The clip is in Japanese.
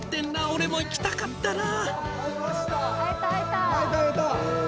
俺も行きたかったな！